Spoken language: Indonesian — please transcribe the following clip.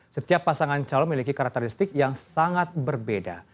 setiap pasangan calon memiliki karakteristik yang sangat berbeda